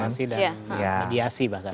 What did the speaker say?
mediasi dan mediasi bahkan